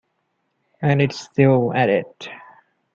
And it's still at it.